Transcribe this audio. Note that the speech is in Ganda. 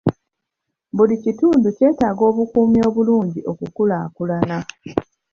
Buli kitundu kyetaaga obukuumi obulungi okukulaakulana.